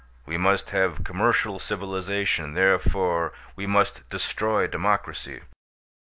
We must have commercial civilization; therefore we must destroy democracy."